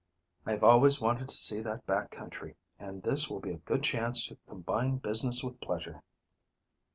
I have always wanted to see that back country, and this will be a good chance to combine business with pleasure."